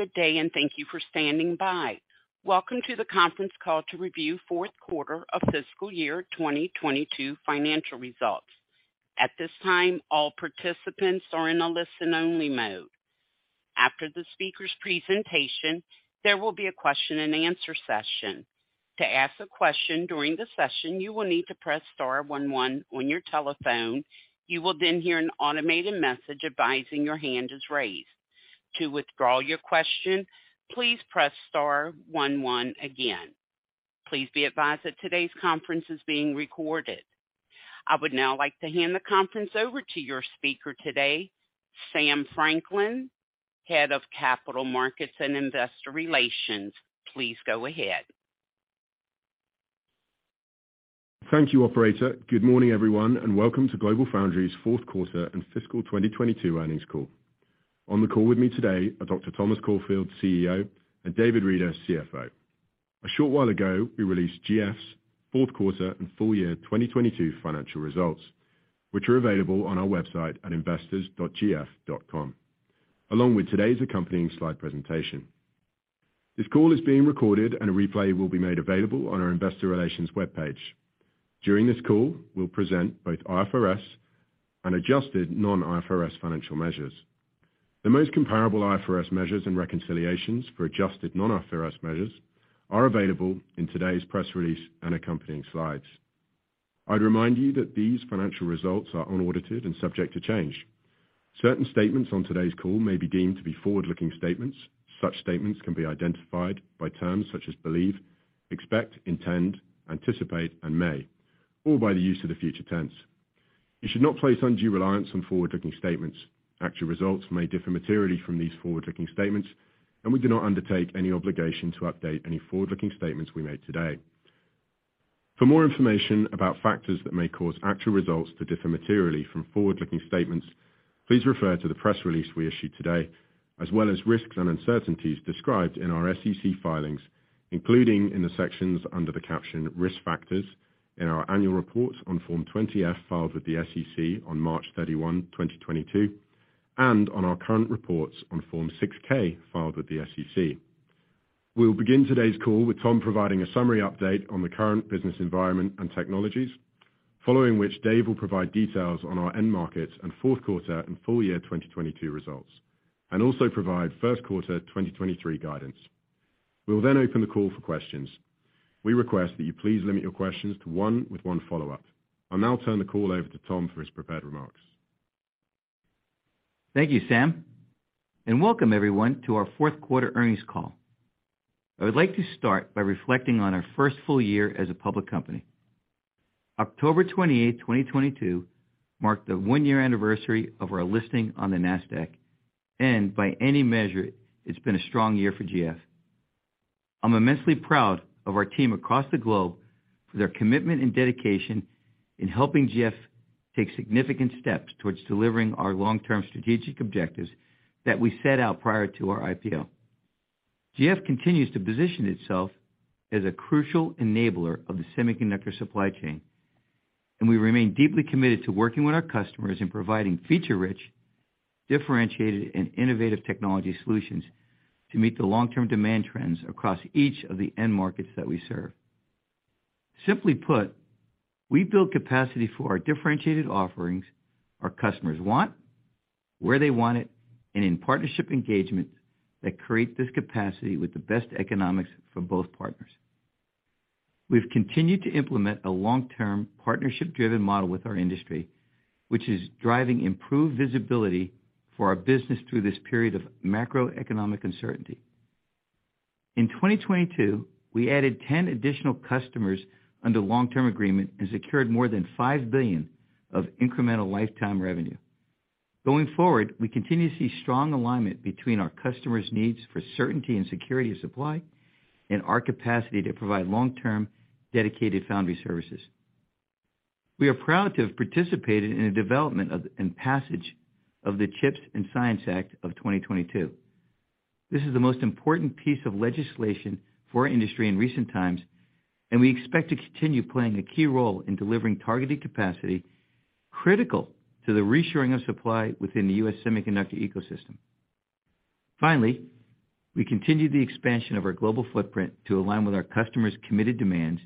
Good day. Thank you for standing by. Welcome to the conference call to review fourth quarter of fiscal year 2022 financial results. At this time, all participants are in a listen-only mode. After the speaker's presentation, there will be a question-and-answer session. To ask a question during the session, you will need to press star one one on your telephone. You will hear an automated message advising your hand is raised. To withdraw your question, please press star one one again. Please be advised that today's conference is being recorded. I would now like to hand the conference over to your speaker today, Sam Franklin, Head of Capital Markets and Investor Relations. Please go ahead. Thank you, operator. Good morning, everyone, and welcome to GLOBALFOUNDRIES fourth quarter and fiscal 2022 earnings call. On the call with me today are Dr. Thomas Caulfield, CEO, and David Reeder, CFO. A short while ago, we released GF's fourth quarter and full year 2022 financial results, which are available on our website at investors.gf.com, along with today's accompanying slide presentation. This call is being recorded, and a replay will be made available on our investor relations webpage. During this call, we'll present both IFRS and adjusted non-IFRS financial measures. The most comparable IFRS measures and reconciliations for adjusted non-IFRS measures are available in today's press release and accompanying slides. I'd remind you that these financial results are unaudited and subject to change. Certain statements on today's call may be deemed to be forward-looking statements. Such statements can be identified by terms such as believe, expect, intend, anticipate, and may, or by the use of the future tense. You should not place undue reliance on forward-looking statements. Actual results may differ materially from these forward-looking statements, and we do not undertake any obligation to update any forward-looking statements we make today. For more information about factors that may cause actual results to differ materially from forward-looking statements, please refer to the press release we issued today, as well as risks and uncertainties described in our SEC filings, including in the sections under the caption Risk Factors in our annual reports on Form 20-F filed with the SEC on March 31, 2022, and on our current reports on Form 6-K filed with the SEC. We'll begin today's call with Tom providing a summary update on the current business environment and technologies, following which Dave will provide details on our end markets and fourth quarter and full year 2022 results and also provide first quarter 2023 guidance. We will then open the call for questions. We request that you please limit your questions to one with one follow-up. I'll now turn the call over to Tom for his prepared remarks. Thank you, Sam, and welcome everyone to our fourth quarter earnings call. I would like to start by reflecting on our first full year as a public company. October 28, 2022 marked the one-year anniversary of our listing on the NASDAQ, and by any measure, it's been a strong year for GF. I'm immensely proud of our team across the globe for their commitment and dedication in helping GF take significant steps towards delivering our long-term strategic objectives that we set out prior to our IPO. GF continues to position itself as a crucial enabler of the semiconductor supply chain, and we remain deeply committed to working with our customers in providing feature-rich, differentiated, and innovative technology solutions to meet the long-term demand trends across each of the end markets that we serve. Simply put, we build capacity for our differentiated offerings our customers want, where they want it, and in partnership engagements that create this capacity with the best economics for both partners. We've continued to implement a long-term, partnership-driven model with our industry, which is driving improved visibility for our business through this period of macroeconomic uncertainty. In 2022, we added 10 additional customers under long-term agreement and secured more than $5 billion of incremental lifetime revenue. Going forward, we continue to see strong alignment between our customers' needs for certainty and security of supply and our capacity to provide long-term dedicated foundry services. We are proud to have participated in the development of, and passage of the CHIPS and Science Act of 2022. This is the most important piece of legislation for our industry in recent times, and we expect to continue playing a key role in delivering targeted capacity critical to the reshoring of supply within the U.S. semiconductor ecosystem. Finally, we continued the expansion of our global footprint to align with our customers' committed demands,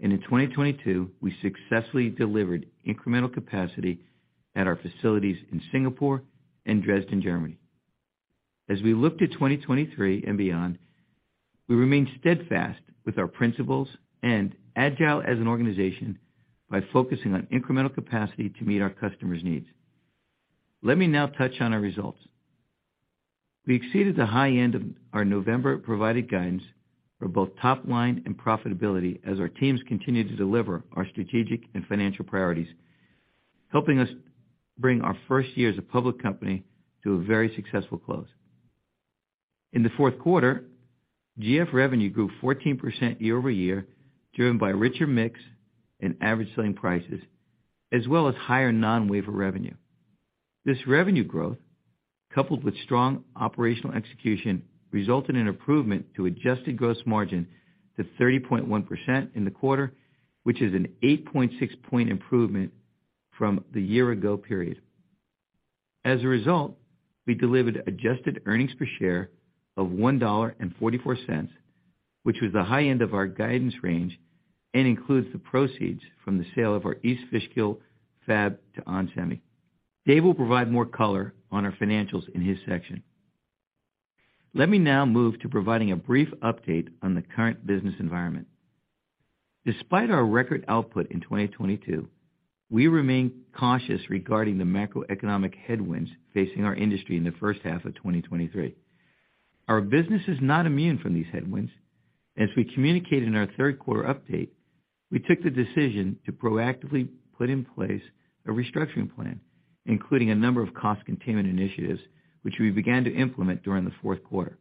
and in 2022, we successfully delivered incremental capacity at our facilities in Singapore and Dresden, Germany. As we look to 2023 and beyond, we remain steadfast with our principles and agile as an organization by focusing on incremental capacity to meet our customers' needs. Let me now touch on our results. We exceeded the high end of our November-provided guidance for both top line and profitability as our teams continued to deliver our strategic and financial priorities, helping us bring our first year as a public company to a very successful close. In the fourth quarter, GF revenue grew 14% year-over-year, driven by richer mix in average selling prices, as well as higher non-wafer revenue. This revenue growth, coupled with strong operational execution, resulted in improvement to adjusted gross margin to 30.1% in the quarter, which is an 8.6 percentage point improvement from the year-ago period. We delivered adjusted earnings per share of $1.44, which was the high end of our guidance range and includes the proceeds from the sale of our East Fishkill fab to onsemi. Dave will provide more color on our financials in his section. Let me now move to providing a brief update on the current business environment. Despite our record output in 2022, we remain cautious regarding the macroeconomic headwinds facing our industry in the first half of 2023. Our business is not immune from these headwinds. As we communicated in our third quarter update, we took the decision to proactively put in place a restructuring plan, including a number of cost containment initiatives, which we began to implement during the fourth quarter.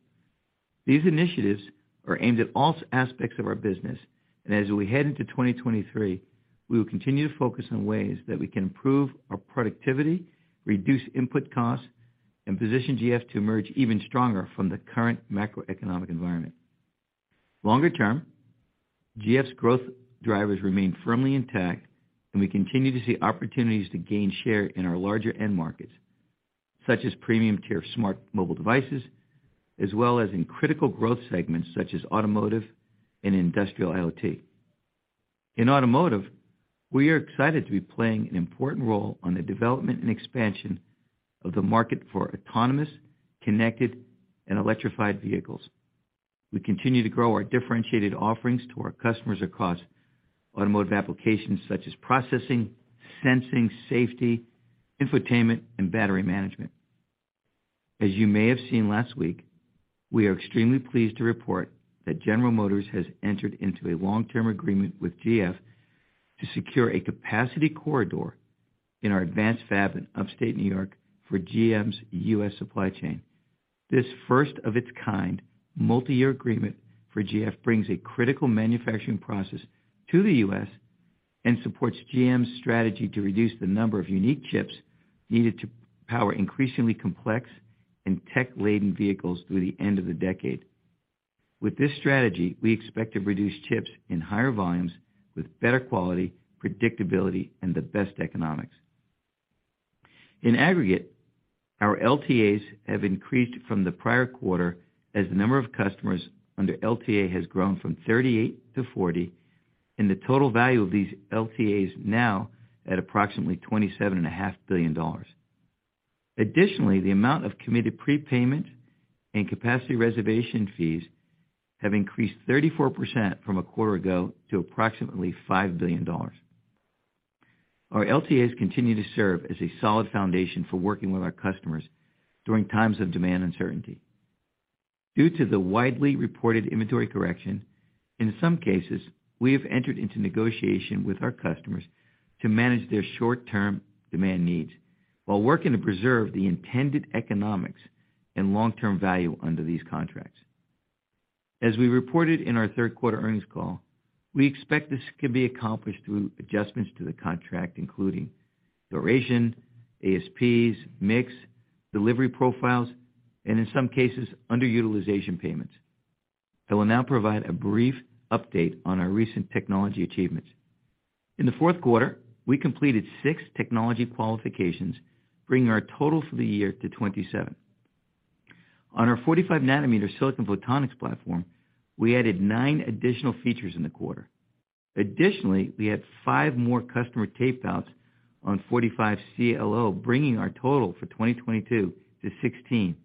These initiatives are aimed at all aspects of our business. As we head into 2023, we will continue to focus on ways that we can improve our productivity, reduce input costs, and position GF to emerge even stronger from the current macroeconomic environment. Longer term, GF's growth drivers remain firmly intact. We continue to see opportunities to gain share in our larger end markets, such as premium-tier, smart mobile devices, as well as in critical growth segments such as automotive and industrial IoT. In automotive, we are excited to be playing an important role on the development and expansion of the market for autonomous, connected, and electrified vehicles. We continue to grow our differentiated offerings to our customers across automotive applications such as processing, sensing, safety, infotainment, and battery management. As you may have seen last week, we are extremely pleased to report that General Motors has entered into a long-term agreement with GF to secure a capacity corridor in our advanced fab in upstate New York for GM's US supply chain. This first of its kind multi-year agreement for GF brings a critical manufacturing process to the US and supports GM's strategy to reduce the number of unique chips needed to power increasingly complex and tech-laden vehicles through the end of the decade. With this strategy, we expect to reduce chips in higher volumes with better quality, predictability, and the best economics. In aggregate, our LTAs have increased from the prior quarter as the number of customers under LTA has grown from 38 to 40, and the total value of these LTAs now at approximately twenty-seven and a half billion dollars. Additionally, the amount of committed prepayment and capacity reservation fees have increased 34% from a quarter ago to approximately $5 billion. Our LTAs continue to serve as a solid foundation for working with our customers during times of demand uncertainty. Due to the widely reported inventory correction, in some cases, we have entered into negotiation with our customers to manage their short-term demand needs while working to preserve the intended economics and long-term value under these contracts. As we reported in our third quarter earnings call, we expect this can be accomplished through adjustments to the contract, including duration, ASPs, mix, delivery profiles, and in some cases, underutilization payments. I will now provide a brief update on our recent technology achievements. In the fourth quarter, we completed six technology qualifications, bringing our total for the year to 27. On our 45nm Silicon Photonics platform, we added nine additional features in the quarter. Additionally, we had 5 more customer tape outs on 45CLO, bringing our total for 2022 to 16.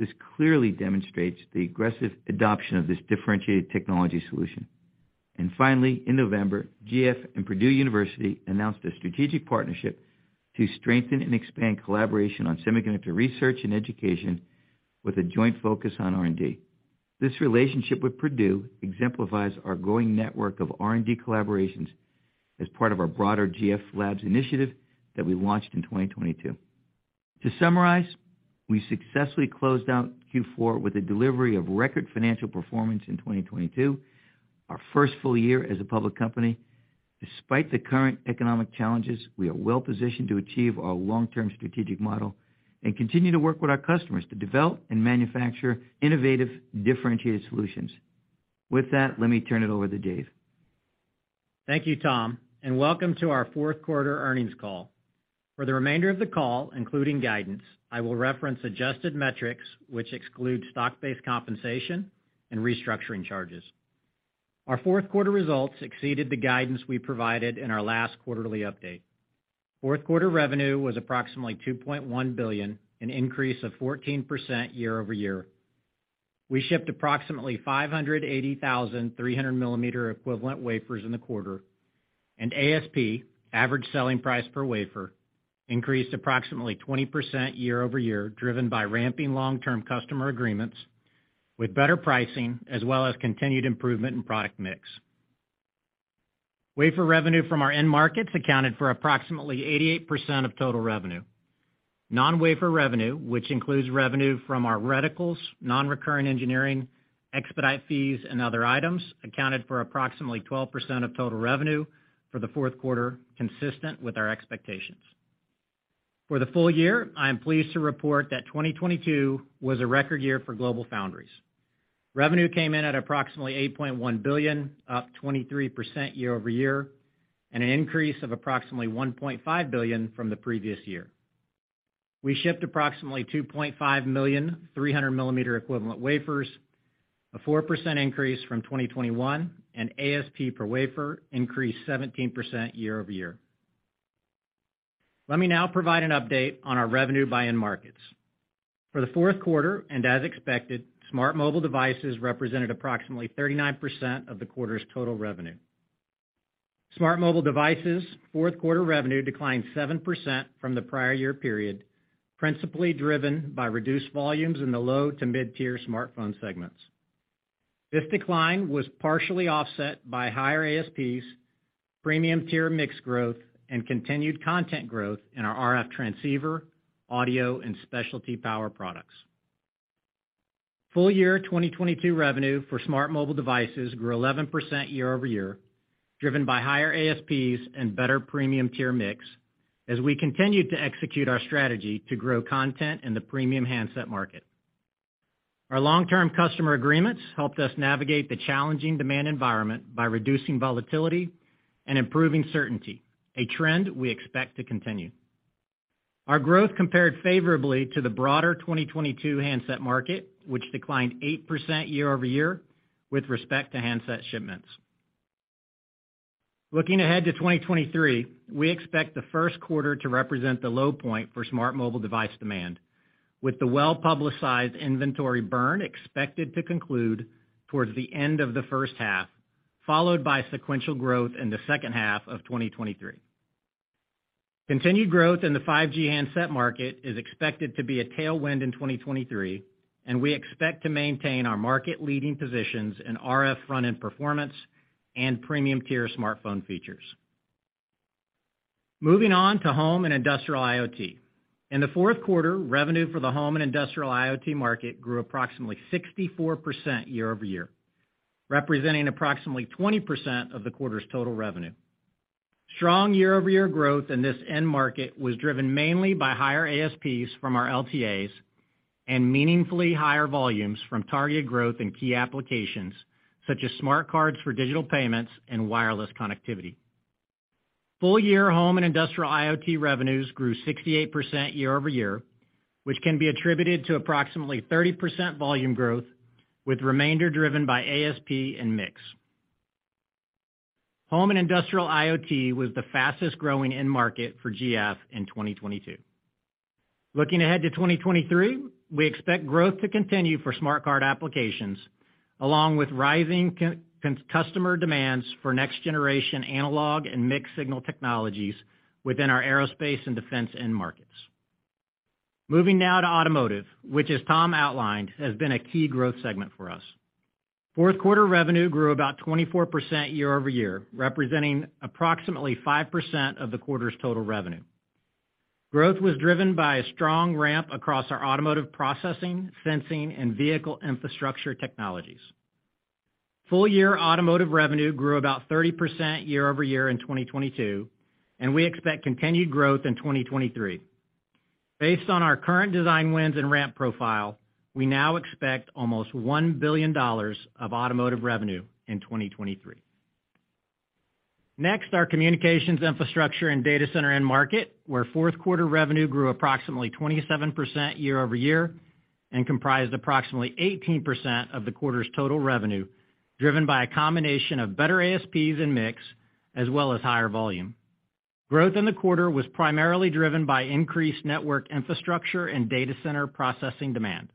This clearly demonstrates the aggressive adoption of this differentiated technology solution. Finally, in November, GF and Purdue University announced a strategic partnership to strengthen and expand collaboration on semiconductor research and education with a joint focus on R&D. This relationship with Purdue exemplifies our growing network of R&D collaborations as part of our broader GF Labs initiative that we launched in 2022. To summarize, we successfully closed out Q4 with a delivery of record financial performance in 2022, our first full year as a public company. Despite the current economic challenges, we are well positioned to achieve our long-term strategic model and continue to work with our customers to develop and manufacture innovative, differentiated solutions. With that, let me turn it over to Dave. Thank you, Tom, and welcome to our fourth quarter earnings call. For the remainder of the call, including guidance, I will reference adjusted metrics, which exclude stock-based compensation and restructuring charges. Our fourth quarter results exceeded the guidance we provided in our last quarterly update. Fourth quarter revenue was approximately $2.1 billion, an increase of 14% year-over-year. We shipped approximately 580,000 300-mm equivalent wafers in the quarter, and ASP, average selling price per wafer, increased approximately 20% year-over-year, driven by ramping long-term customer agreements with better pricing as well as continued improvement in product mix. Wafer revenue from our end markets accounted for approximately 88% of total revenue. Non-wafer revenue, which includes revenue from our reticles, non-recurring engineering, expedite fees, and other items, accounted for approximately 12% of total revenue for the fourth quarter, consistent with our expectations. For the full year, I am pleased to report that 2022 was a record year for GLOBALFOUNDRIES. Revenue came in at approximately $8.1 billion, up 23% year-over-year, an increase of approximately $1.5 billion from the previous year. We shipped approximately 2.5 million 300-mm equivalent wafers, a 4% increase from 2021, ASP per wafer increased 17% year-over-year. Let me now provide an update on our revenue by end markets. For the fourth quarter, as expected, smart mobile devices represented approximately 39% of the quarter's total revenue. Smart mobile devices' fourth quarter revenue declined 7% from the prior year period, principally driven by reduced volumes in the low to mid-tier smartphone segments. This decline was partially offset by higher ASPs, premium-tier mix growth, and continued content growth in our RF transceiver, audio, and specialty power products. Full year 2022 revenue for smart mobile devices grew 11% year-over-year, driven by higher ASPs and better premium-tier mix as we continued to execute our strategy to grow content in the premium handset market. Our long-term customer agreements helped us navigate the challenging demand environment by reducing volatility and improving certainty, a trend we expect to continue. Our growth compared favorably to the broader 2022 handset market, which declined 8% year-over-year with respect to handset shipments. Looking ahead to 2023, we expect the first quarter to represent the low point for smart mobile device demand, with the well-publicized inventory burn expected to conclude towards the end of the first half, followed by sequential growth in the second half of 2023. Continued growth in the 5G handset market is expected to be a tailwind in 2023, and we expect to maintain our market-leading positions in RF front-end performance and premium-tier smartphone features. Moving on to home and industrial IoT. In the fourth quarter, revenue for the home and industrial IoT market grew approximately 64% year-over-year, representing approximately 20% of the quarter's total revenue. Strong year-over-year growth in this end market was driven mainly by higher ASPs from our LTAs and meaningfully higher volumes from target growth in key applications such as smart cards for digital payments and wireless connectivity. Full year home and industrial IoT revenues grew 68% year-over-year, which can be attributed to approximately 30% volume growth, with remainder driven by ASP and mix. Home and industrial IoT was the fastest-growing end market for GF in 2022. Looking ahead to 2023, we expect growth to continue for smart card applications, along with rising customer demands for next-generation analog and mixed signal technologies within our aerospace and defense end markets. Moving now to automotive, which as Tom outlined, has been a key growth segment for us. Fourth quarter revenue grew about 24% year-over-year, representing approximately 5% of the quarter's total revenue. Growth was driven by a strong ramp across our automotive processing, sensing, and vehicle infrastructure technologies. Full year automotive revenue grew about 30% year-over-year in 2022, and we expect continued growth in 2023. Based on our current design wins and ramp profile, we now expect almost $1 billion of automotive revenue in 2023. Next, our communications infrastructure and data center end market, where fourth quarter revenue grew approximately 27% year-over-year and comprised approximately 18% of the quarter's total revenue, driven by a combination of better ASPs and mix, as well as higher volume. Growth in the quarter was primarily driven by increased network infrastructure and data center processing demand.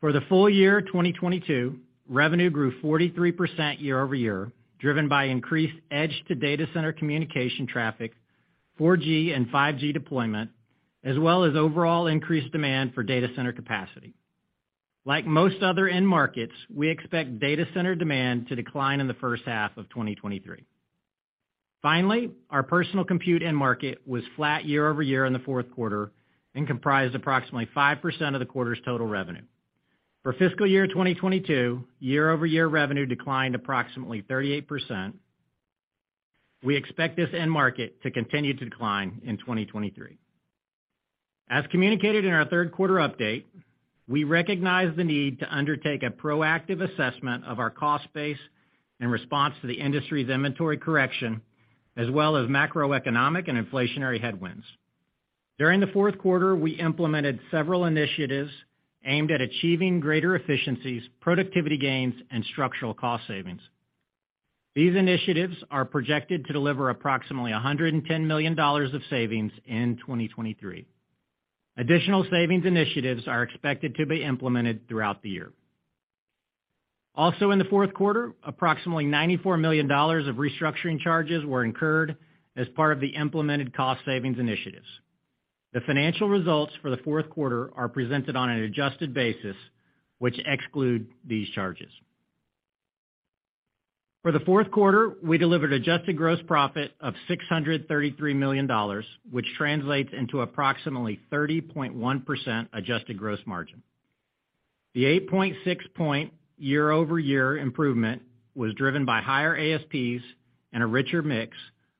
For the full year 2022, revenue grew 43% year-over-year, driven by increased edge-to-data center communication traffic, 4G and 5G deployment, as well as overall increased demand for data center capacity. Like most other end markets, we expect data center demand to decline in the first half of 2023. Finally, our personal compute end market was flat year-over-year in the fourth quarter and comprised approximately 5% of the quarter's total revenue. For fiscal year 2022, year-over-year revenue declined approximately 38%. We expect this end market to continue to decline in 2023. As communicated in our third quarter update, we recognize the need to undertake a proactive assessment of our cost base in response to the industry's inventory correction, as well as macroeconomic and inflationary headwinds. During the fourth quarter, we implemented several initiatives aimed at achieving greater efficiencies, productivity gains, and structural cost savings. These initiatives are projected to deliver approximately $110 million of savings in 2023. Additional savings initiatives are expected to be implemented throughout the year. Also in the fourth quarter, approximately $94 million of restructuring charges were incurred as part of the implemented cost savings initiatives. The financial results for the fourth quarter are presented on an adjusted basis, which exclude these charges. For the fourth quarter, we delivered adjusted gross profit of $633 million, which translates into approximately 30.1% adjusted gross margin. The 8.6% year-over-year improvement was driven by higher ASPs and a richer mix,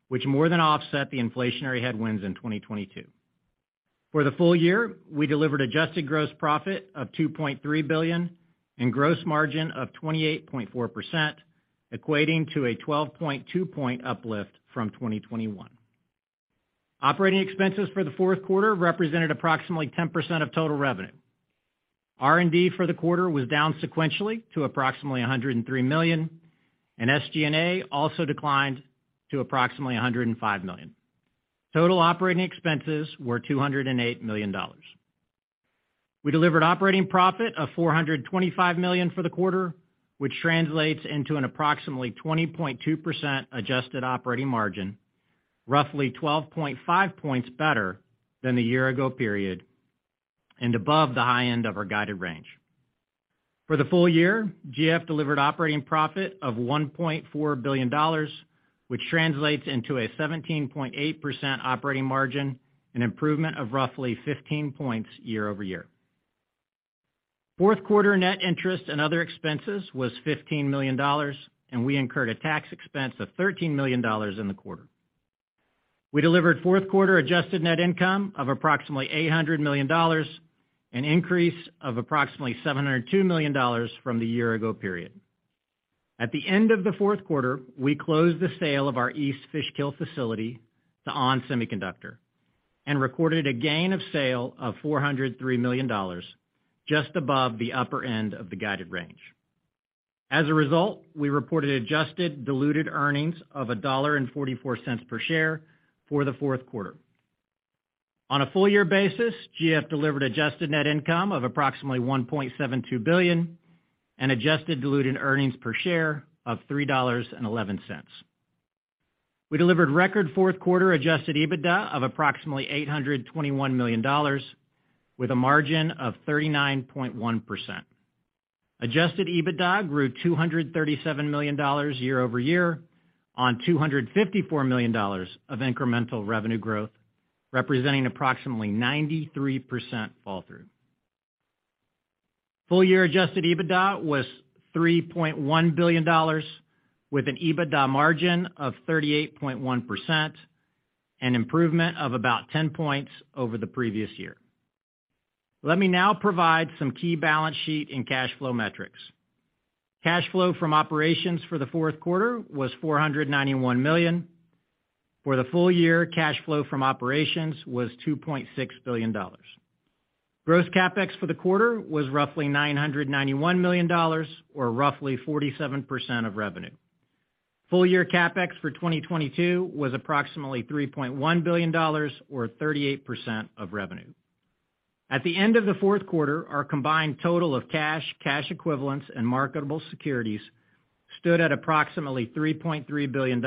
which more than offset the inflationary headwinds in 2022. For the full year, we delivered adjusted gross profit of $2.3 billion and gross margin of 28.4%, equating to a 12.2 point uplift from 2021. Operating expenses for the fourth quarter represented approximately 10% of total revenue. R&D for the quarter was down sequentially to approximately $103 million, and SG&A also declined to approximately $105 million. Total operating expenses were $208 million. We delivered operating profit of $425 million for the quarter, which translates into an approximately 20.2% adjusted operating margin, roughly 12.5 points better than the year ago period and above the high end of our guided range. For the full year, GF delivered operating profit of $1.4 billion, which translates into a 17.8% operating margin, an improvement of roughly 15 points year-over-year. Fourth quarter net interest and other expenses was $15 million, and we incurred a tax expense of $13 million in the quarter. We delivered fourth quarter adjusted net income of approximately $800 million, an increase of approximately $702 million from the year ago period. At the end of the fourth quarter, we closed the sale of our East Fishkill facility to onsemi and recorded a gain of sale of $403 million, just above the upper end of the guided range. As a result, we reported adjusted diluted earnings of $1.44 per share for the fourth quarter. On a full year basis, GF delivered adjusted net income of approximately $1.72 billion and adjusted diluted earnings per share of $3.11. We delivered record fourth quarter Adjusted EBITDA of approximately $821 million, with a margin of 39.1%. Adjusted EBITDA grew $237 million year-over-year on $254 million of incremental revenue growth, representing approximately 93% fall through. Full year Adjusted EBITDA was $3.1 billion, with an EBITDA margin of 38.1%, an improvement of about 10 points over the previous year. Let me now provide some key balance sheet and cash flow metrics. Cash flow from operations for the fourth quarter was $491 million. For the full year, cash flow from operations was $2.6 billion. Gross CapEx for the quarter was roughly $991 million or roughly 47% of revenue. Full year CapEx for 2022 was approximately $3.1 billion or 38% of revenue. At the end of the fourth quarter, our combined total of cash equivalents, and marketable securities stood at approximately $3.3 billion.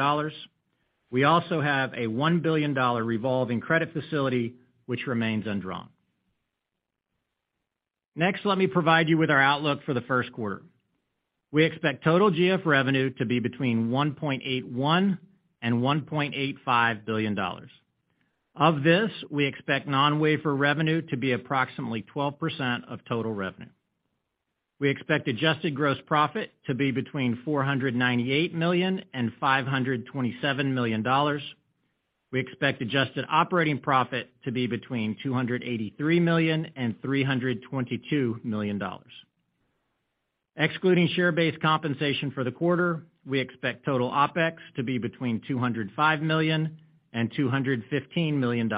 We also have a $1 billion revolving credit facility which remains undrawn. Next, let me provide you with our outlook for the first quarter. We expect total GF revenue to be between $1.81 billion and $1.85 billion. Of this, we expect non-wafer revenue to be approximately 12% of total revenue. We expect adjusted gross profit to be between $498 million and $527 million. We expect adjusted operating profit to be between $283 million and $322 million. Excluding share-based compensation for the quarter, we expect total OpEx to be between $205 million and $215 million.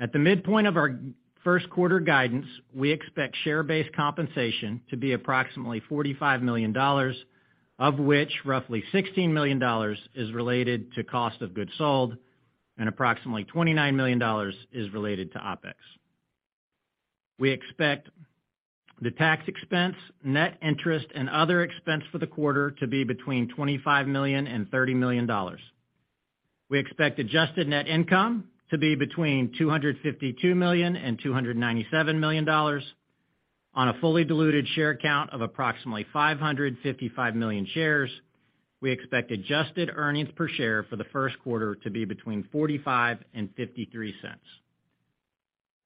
At the midpoint of our first quarter guidance, we expect share-based compensation to be approximately $45 million, of which roughly $16 million is related to cost of goods sold and approximately $29 million is related to OpEx. We expect the tax expense, net interest, and other expense for the quarter to be between $25 million and $30 million. We expect adjusted net income to be between $252 million and $297 million. On a fully diluted share count of approximately 555 million shares, we expect adjusted earnings per share for the first quarter to be between 0.45 and $0.53.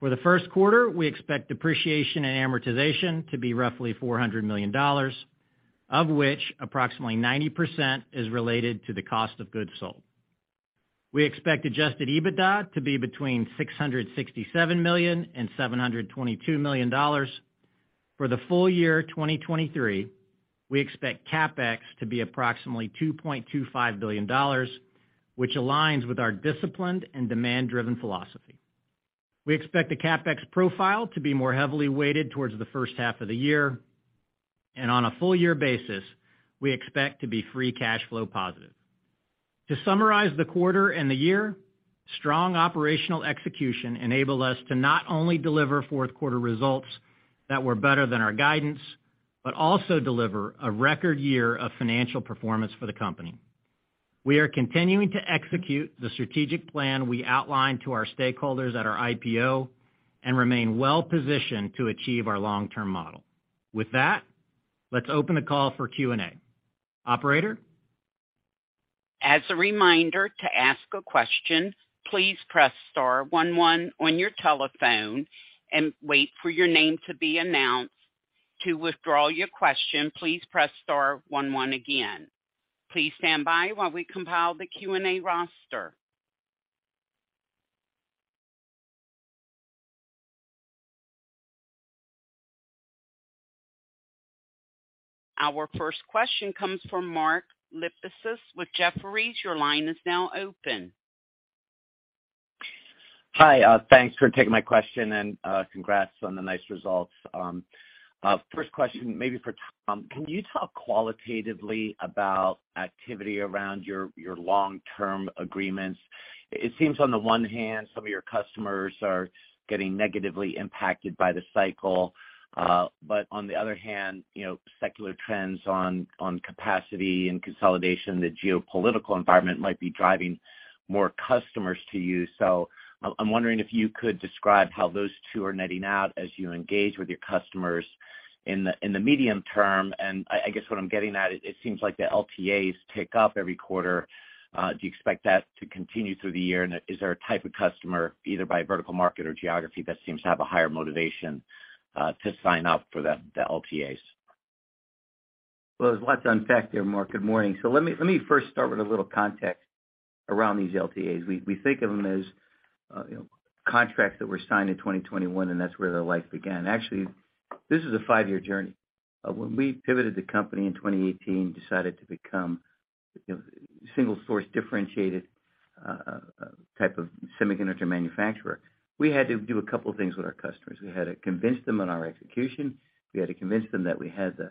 For the first quarter, we expect depreciation and amortization to be roughly $400 million, of which approximately 90% is related to the cost of goods sold. We expect Adjusted EBITDA to be between $667 million and $722 million. For the full year 2023, we expect CapEx to be approximately $2.25 billion, which aligns with our disciplined and demand-driven philosophy. We expect the CapEx profile to be more heavily weighted towards the first half of the year. On a full year basis, we expect to be free cash flow positive. To summarize the quarter and the year, strong operational execution enabled us to not only deliver fourth quarter results that were better than our guidance, but also deliver a record year of financial performance for the company. We are continuing to execute the strategic plan we outlined to our stakeholders at our IPO and remain well positioned to achieve our long-term model. With that, let's open the call for Q&A. Operator? As a reminder, to ask a question, please press star one one on your telephone and wait for your name to be announced. To withdraw your question, please press star one one again. Please stand by while we compile the Q&A roster. Our first question comes from Mark Lipacis with Jefferies. Your line is now open. Hi, thanks for taking my question and congrats on the nice results. First question maybe for Tom. Can you talk qualitatively about activity around your Long-Term Agreements? It seems on the one hand, some of your customers are getting negatively impacted by the cycle. On the other hand, you know, secular trends on capacity and consolidation, the geopolitical environment might be driving more customers to you. I'm wondering if you could describe how those two are netting out as you engage with your customers in the medium term. I guess what I'm getting at, it seems like the LTAs tick up every quarter. Do you expect that to continue through the year? Is there a type of customer, either by vertical market or geography, that seems to have a higher motivation to sign up for the LTAs? There's lots to unpack there, Mark. Good morning. Let me first start with a little context around these LTAs. We think of them as contracts that were signed in 2021, and that's where the life began. Actually, this is a five-year journey. When we pivoted the company in 2018, decided to become, you know, single source differentiated type of semiconductor manufacturer, we had to do a couple things with our customers. We had to convince them on our execution. We had to convince them that we had the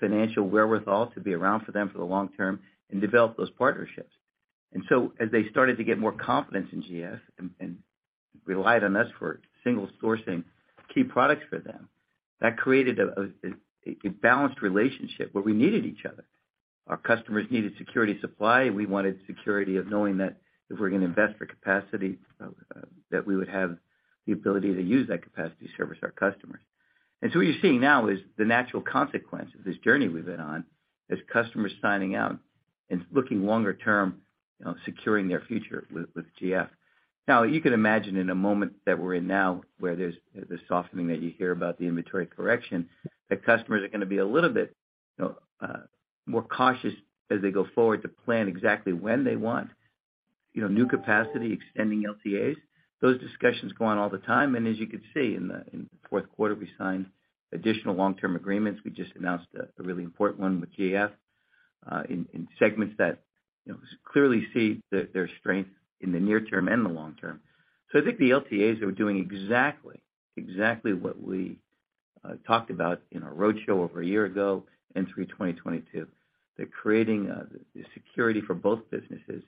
financial wherewithal to be around for them for the long term and develop those partnerships. As they started to get more confidence in GF and relied on us for single sourcing key products for them, that created a balanced relationship where we needed each other. Our customers needed security supply. We wanted security of knowing that if we're gonna invest for capacity, that we would have the ability to use that capacity to service our customers. What you're seeing now is the natural consequence of this journey we've been on, is customers signing out and looking longer term, you know, securing their future with GF. Now, you can imagine in a moment that we're in now where there's the softening that you hear about the inventory correction, that customers are gonna be a little bit, you know, more cautious as they go forward to plan exactly when they want, you know, new capacity extending LTAs. Those discussions go on all the time. As you can see in the fourth quarter, we signed additional long-term agreements. We just announced a really important one with GF in segments that, you know, clearly see their strength in the near term and the long term. I think the LTAs are doing exactly what we talked about in our roadshow over a year ago and through 2022. They're creating the security for both businesses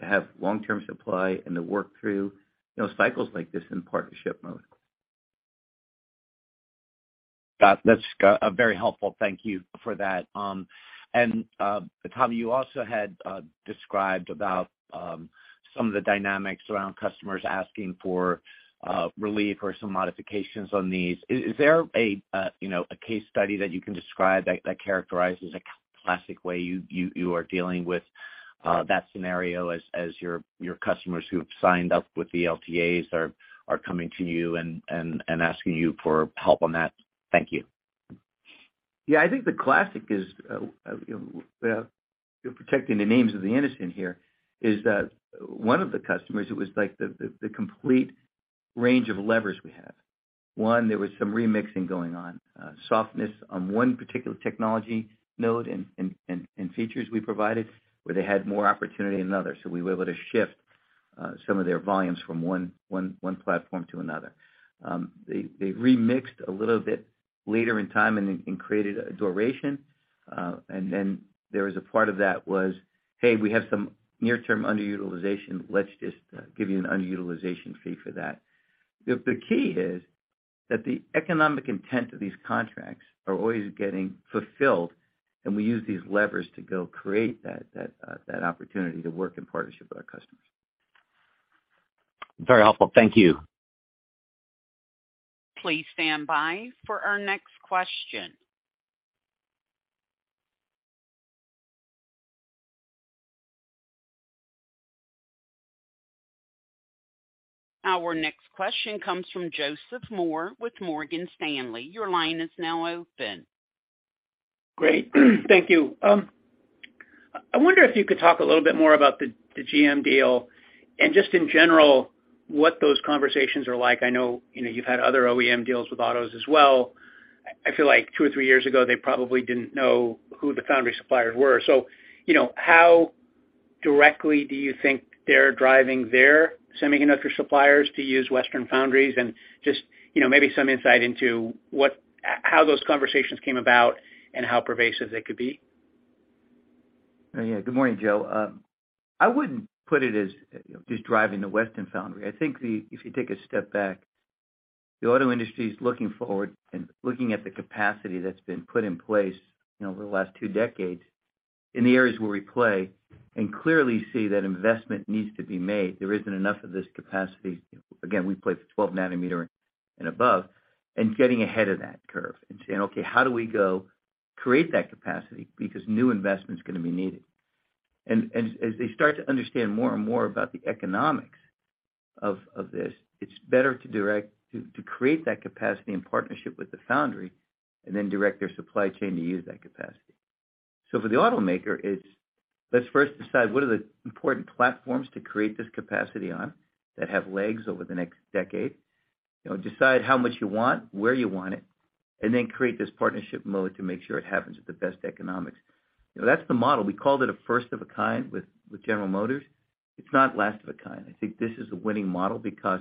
to have long-term supply and to work through, you know, cycles like this in partnership mode. Got it. That's very helpful. Thank you for that. Tom, you also had described about some of the dynamics around customers asking for relief or some modifications on these. Is there a, you know, a case study that you can describe that characterizes a classic way you are dealing with that scenario as your customers who have signed up with the LTAs are coming to you and asking you for help on that? Thank you. Yeah. I think the classic is, you know, protecting the names of the innocent here, is that one of the customers, it was like the complete range of levers we have. One, there was some remixing going on, softness on one particular technology node and features we provided where they had more opportunity than others. We were able to shift some of their volumes from one platform to another. They remixed a little bit later in time and created a duration. Then there was a part of that was, "Hey, we have some near-term underutilization. Let's just give you an underutilization fee for that." The key is that the economic intent of these contracts are always getting fulfilled, and we use these levers to go create that opportunity to work in partnership with our customers. Very helpful. Thank you. Please stand by for our next question. Our next question comes from Joseph Moore with Morgan Stanley. Your line is now open. Great. Thank you. I wonder if you could talk a little bit more about the GM deal and just in general what those conversations are like. I know, you know, you've had other OEM deals with autos as well. I feel like two or three years ago, they probably didn't know who the foundry suppliers were. You know, how directly do you think they're driving their semiconductor suppliers to use Western Foundries? Just, you know, maybe some insight into how those conversations came about and how pervasive they could be. Yeah. Good morning, Joe. I wouldn't put it as just driving the Western Foundry. I think if you take a step back, the auto industry is looking forward and looking at the capacity that's been put in place, you know, over the last two decades in the areas where we play and clearly see that investment needs to be made. There isn't enough of this capacity. Again, we play for 12nm and above, and getting ahead of that curve and saying, "Okay, how do we go create that capacity?" Because new investment's gonna be needed. As they start to understand more and more about the economics of this, it's better to create that capacity in partnership with the foundry, and then direct their supply chain to use that capacity. For the automaker, it's let's first decide what are the important platforms to create this capacity on that have legs over the next decade. You know, decide how much you want, where you want it, create this partnership mode to make sure it happens with the best economics. You know, that's the model. We called it a first of a kind with General Motors. It's not last of a kind. I think this is a winning model because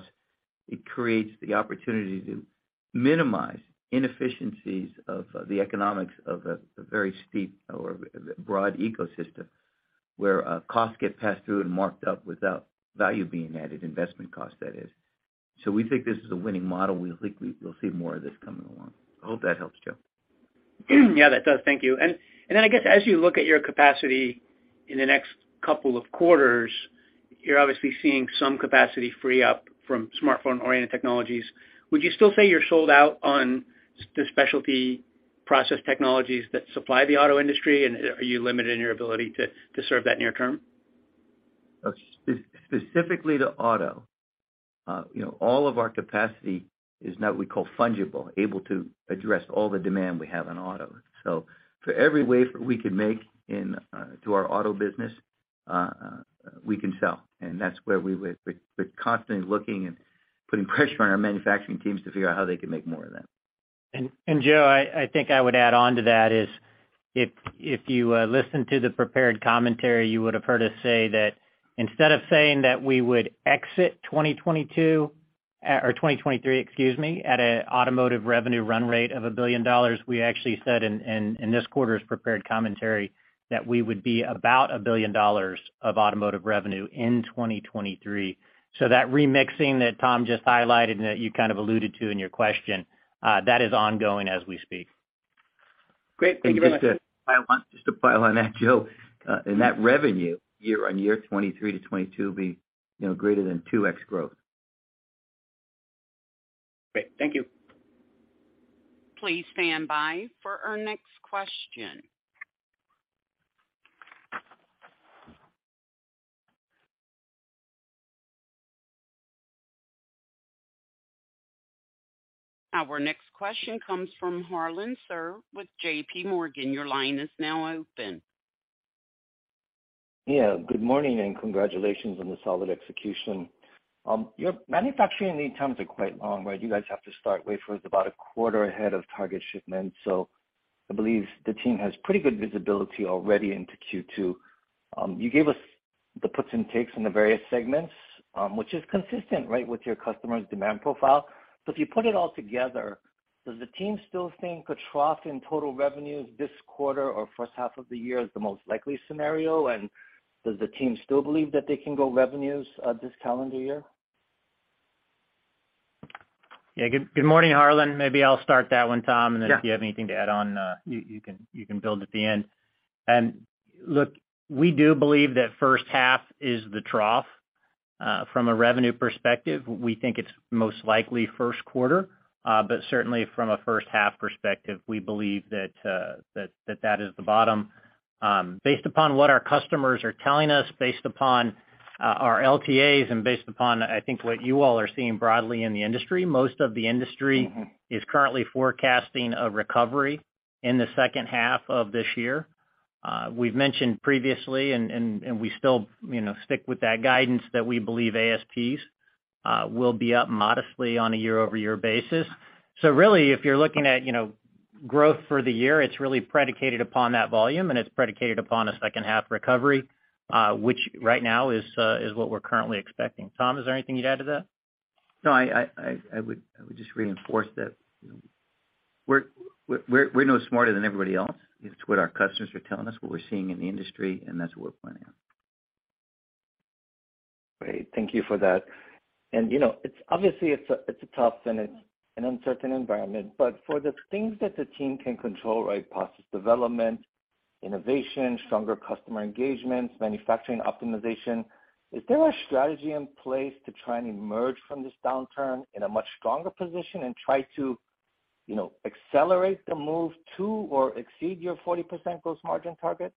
it creates the opportunity to minimize inefficiencies of the economics of a very steep or broad ecosystem, where costs get passed through and marked up without value being added, investment cost, that is. We think this is a winning model. We think we'll see more of this coming along. I hope that helps, Joe. Yeah, that does. Thank you. I guess as you look at your capacity in the next couple of quarters, you're obviously seeing some capacity free up from smartphone-oriented technologies. Would you still say you're sold out on the specialty process technologies that supply the auto industry? Are you limited in your ability to serve that near term? Specifically to auto, you know, all of our capacity is now what we call fungible, able to address all the demand we have in auto. For every wafer we can make in to our auto business, we can sell. That's where we're constantly looking and putting pressure on our manufacturing teams to figure out how they can make more of that. Joe, I think I would add on to that is if you listen to the prepared commentary, you would've heard us say that instead of saying that we would exit 2022, or 2023, excuse me, at an automotive revenue run rate of $1 billion, we actually said in this quarter's prepared commentary that we would be about $1 billion of automotive revenue in 2023. That remixing that Tom just highlighted and that you kind of alluded to in your question, that is ongoing as we speak. Great. Thank you very much. Just to pile on that, Joe, in that revenue year-over-year 2023 to 2022 will be, you know, greater than 2x growth. Great. Thank you. Please stand by for our next question. Our next question comes from Harlan Sur with JPMorgan. Your line is now open. Yeah. Good morning. Congratulations on the solid execution. Your manufacturing lead times are quite long, right? You guys have to start wafers about a quarter ahead of target shipments. I believe the team has pretty good visibility already into Q2. You gave us the puts and takes in the various segments, which is consistent, right, with your customers' demand profile. If you put it all together, does the team still think a trough in total revenues this quarter or first half of the year is the most likely scenario? Does the team still believe that they can grow revenues this calendar year? Yeah. Good morning, Harlan. Maybe I'll start that one, Tom- Yeah. If you have anything to add on, you can build at the end. Look, we do believe that first half is the trough from a revenue perspective. We think it's most likely first quarter, but certainly from a first half perspective, we believe that that is the bottom. Based upon what our customers are telling us, based upon our LTAs and based upon, I think, what you all are seeing broadly in the industry, most of the industry- Mm-hmm. Is currently forecasting a recovery in the second half of this year. We've mentioned previously and we still, you know, stick with that guidance that we believe ASPs will be up modestly on a year-over-year basis. Really, if you're looking at, you know, growth for the year, it's really predicated upon that volume, and it's predicated upon a second half recovery, which right now is what we're currently expecting. Tom, is there anything you'd add to that? No, I would just reinforce that. We're no smarter than everybody else. It's what our customers are telling us, what we're seeing in the industry, and that's what we're planning on. Great. Thank you for that. You know, it's obviously it's a tough and it's an uncertain environment, but for the things that the team can control, right? Process development, innovation, stronger customer engagements, manufacturing optimization, is there a strategy in place to try and emerge from this downturn in a much stronger position and try to, you know, accelerate the move to or exceed your 40% gross margin target?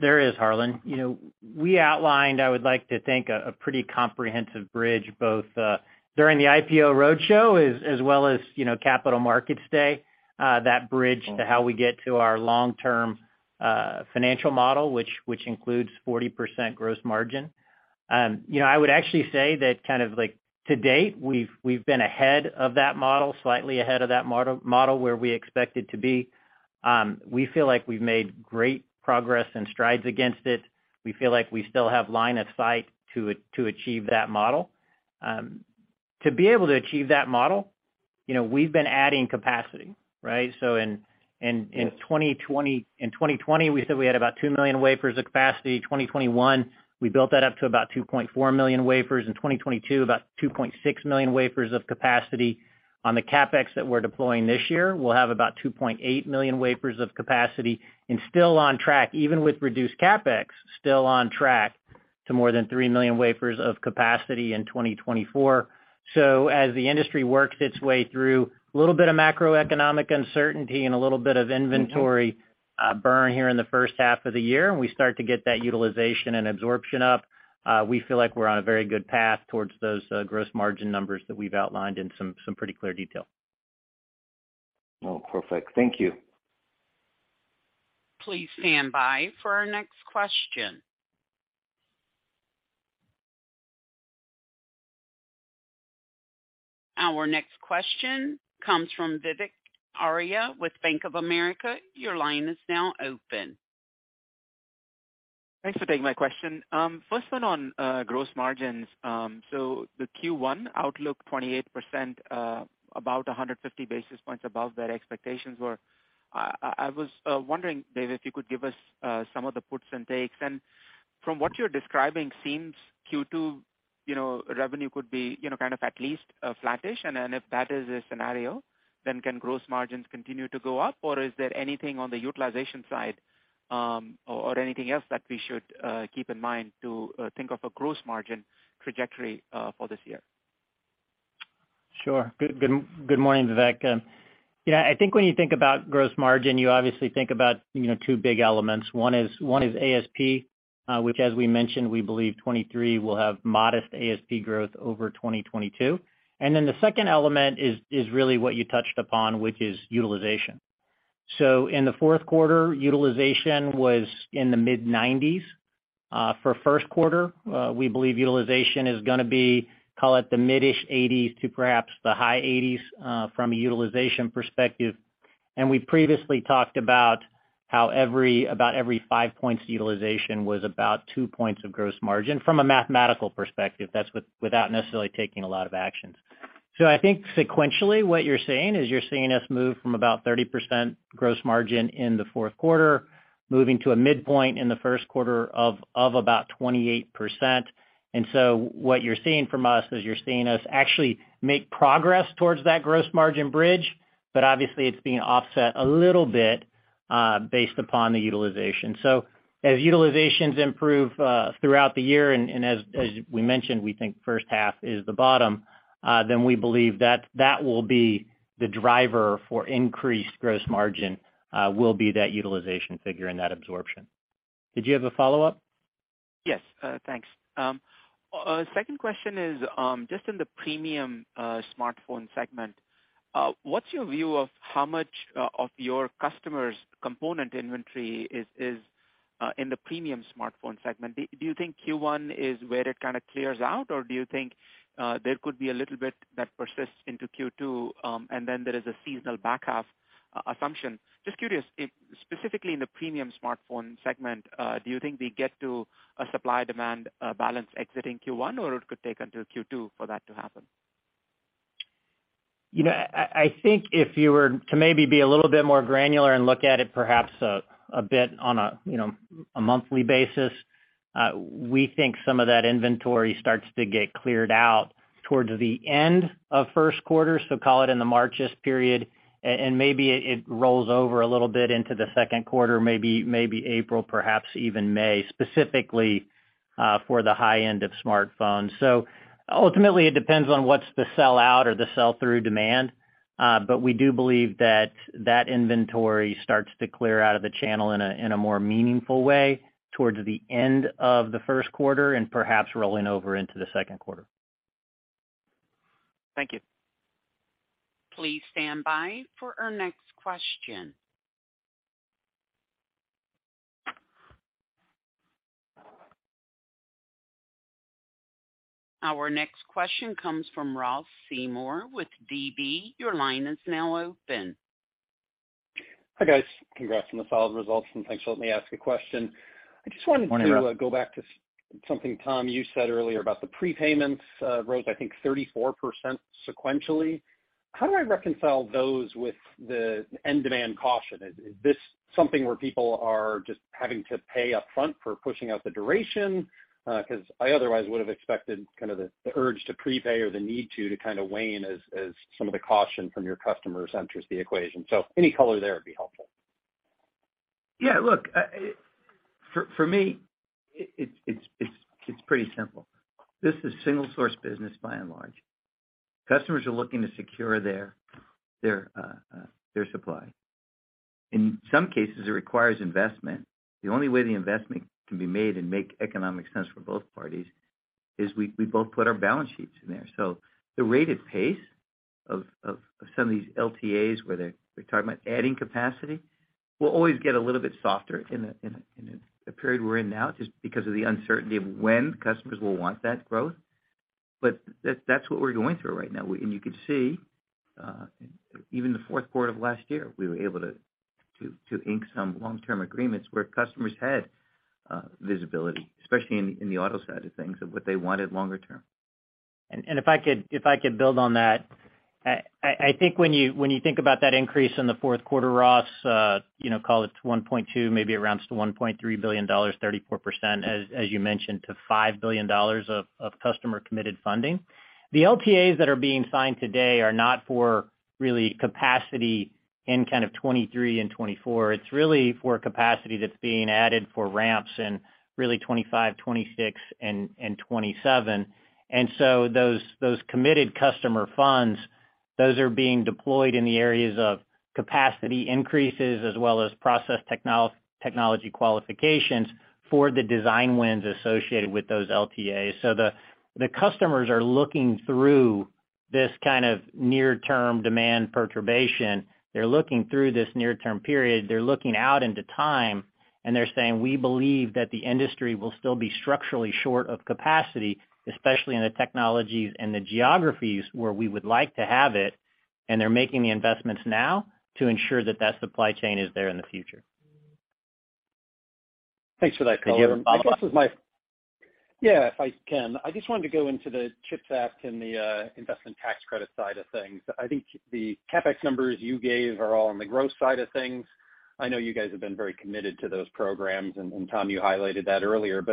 There is, Harlan. You know, we outlined, I would like to think, a pretty comprehensive bridge both during the IPO roadshow as well as, you know, Capital Markets Day, that bridged to how we get to our long-term financial model, which includes 40% gross margin. You know, I would actually say that kind of like to date, we've been ahead of that model, slightly ahead of that model where we expect it to be. We feel like we've made great progress and strides against it. We feel like we still have line of sight to achieve that model. To be able to achieve that model, you know, we've been adding capacity, right? So in 2020, we said we had about 2 million wafers of capacity. 2021, we built that up to about 2.4 million wafers. In 2022, about 2.6 million wafers of capacity. On the CapEx that we're deploying this year, we'll have about 2.8 million wafers of capacity and even with reduced CapEx, still on track to more than 3 million wafers of capacity in 2024. As the industry works its way through a little bit of macroeconomic uncertainty and a little bit of inventory- Mm-hmm burn here in the first half of the year, and we start to get that utilization and absorption up, we feel like we're on a very good path towards those gross margin numbers that we've outlined in some pretty clear detail. Oh, perfect. Thank you. Please stand by for our next question. Our next question comes from Vivek Arya with Bank of America. Your line is now open. Thanks for taking my question. First one on gross margins. The Q1 outlook, 28%, about 150 basis points above their expectations were. I was wondering, Dave, if you could give us some of the puts and takes. From what you're describing, seems Q2, you know, revenue could be, you know, kind of at least flattish. If that is the scenario, then can gross margins continue to go up? Or is there anything on the utilization side, or anything else that we should keep in mind to think of a gross margin trajectory for this year? Sure. Good morning, Vivek Arya. Yeah, I think when you think about gross margin, you obviously think about, you know, two big elements. One is ASP, which as we mentioned, we believe 2023 will have modest ASP growth over 2022. The second element is really what you touched upon, which is utilization. In the fourth quarter, utilization was in the mid-nineties. For first quarter, we believe utilization is gonna be, call it the midish eighties to perhaps the high eighties, from a utilization perspective. We previously talked about about every 5 points utilization was about 2 points of gross margin from a mathematical perspective. That's without necessarily taking a lot of actions. I think sequentially, what you're seeing is you're seeing us move from about 30% gross margin in the fourth quarter, moving to a midpoint in the first quarter of about 28%. What you're seeing from us is you're seeing us actually make progress towards that gross margin bridge, but obviously, it's being offset a little bit based upon the utilization. As utilizations improve throughout the year, and as we mentioned, we think first half is the bottom, then we believe that that will be the driver for increased gross margin, will be that utilization figure and that absorption. Did you have a follow-up? Yes. Thanks. Second question is, just in the premium smartphone segment, what's your view of how much of your customers' component inventory is in the premium smartphone segment? Do you think Q1 is where it kinda clears out, or do you think there could be a little bit that persists into Q2, and then there is a seasonal back half assumption? Just curious if specifically in the premium smartphone segment, do you think we get to a supply-demand balance exiting Q1, or it could take until Q2 for that to happen? You know, I think if you were to maybe be a little bit more granular and look at it perhaps a bit on a, you know, a monthly basis, we think some of that inventory starts to get cleared out towards the end of first quarter, so call it in the March-ish period, and maybe it rolls over a little bit into the second quarter, maybe April, perhaps even May, specifically, for the high-end of smartphones. Ultimately, it depends on what's the sell-out or the sell-through demand, but we do believe that that inventory starts to clear out of the channel in a more meaningful way towards the end of the first quarter and perhaps rolling over into the second quarter. Thank you. Please stand by for our next question. Our next question comes from Ross Seymore with DB. Your line is now open. Hi, guys. Congrats on the solid results, and thanks for letting me ask a question. Morning, Ross. I just wanted to go back to something, Tom, you said earlier about the prepayments, rose, I think 34% sequentially. How do I reconcile those with the end demand caution? Is this something where people are just having to pay up front for pushing out the duration? 'Cause I otherwise would've expected kind of the urge to prepay or the need to kind of wane as some of the caution from your customers enters the equation. Any color there would be helpful. Yeah. Look, for me, it's pretty simple. This is single-source business by and large. Customers are looking to secure their supply. In some cases, it requires investment. The only way the investment can be made and make economic sense for both parties is we both put our balance sheets in there. The rated pace of some of these LTAs where they're talking about adding capacity, will always get a little bit softer in a period we're in now just because of the uncertainty of when customers will want that growth. That's what we're going through right now. You could see, even the fourth quarter of last year, we were able to ink some Long-Term Agreements where customers had visibility, especially in the auto side of things of what they wanted longer term. If I could build on that, I think when you think about that increase in the fourth quarter, Ross Seymore, you know, call it $1.2 billion, maybe it rounds to $1.3 billion, 34%, as you mentioned, to $5 billion of customer-committed funding. The LTAs that are being signed today are not for really capacity in kind of 2023 and 2024. It's really for capacity that's being added for ramps in really 2025, 2026, and 2027. Those committed customer funds are being deployed in the areas of capacity increases as well as process technology qualifications for the design wins associated with those LTAs. The customers are looking through this kind of near-term demand perturbation. They're looking through this near-term period, they're looking out into time, and they're saying, we believe that the industry will still be structurally short of capacity, especially in the technologies and the geographies where we would like to have it, and they're making the investments now to ensure that that supply chain is there in the future. Thanks for that color. David I guess this is my... Yeah, if I can. I just wanted to go into the CHIPS Act and the investment tax credit side of things. I think the CapEx numbers you gave are all on the growth side of things. I know you guys have been very committed to those programs, and Tom, you highlighted that earlier.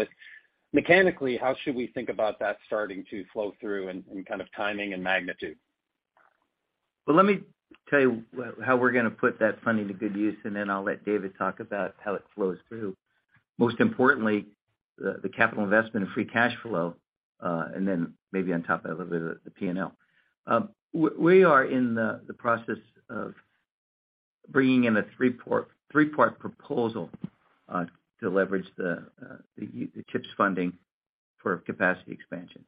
Mechanically, how should we think about that starting to flow through in kind of timing and magnitude? Well, let me tell you how we're gonna put that funding to good use, and then I'll let David talk about how it flows through. Most importantly, the capital investment and free cash flow, and then maybe on top of a bit of the P&L. We are in the process of bringing in a three-part proposal to leverage the CHIPS funding for capacity expansion.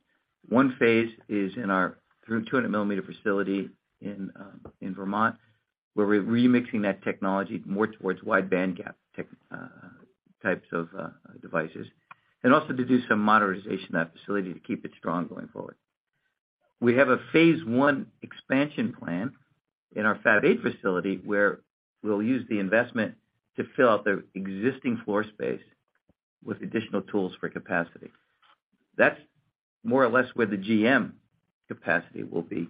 One phase is in our 200 mm facility in Vermont, where we're remixing that technology more towards wide bandgap tech types of devices, and also to do some modernization of that facility to keep it strong going forward. We have a phase one expansion plan in our Fab 8 facility, where we'll use the investment to fill out the existing floor space with additional tools for capacity. That's more or less where the GM capacity will be